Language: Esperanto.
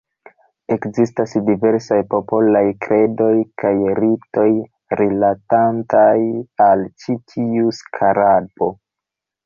Ekzistas diversaj popolaj kredoj kaj ritoj, rilatantaj al ĉi tiu skarabo.